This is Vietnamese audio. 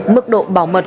mức độ bảo mật